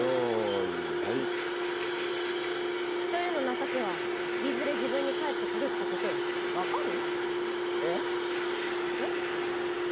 人への情けはいずれ自分に返ってくるということよ分かる？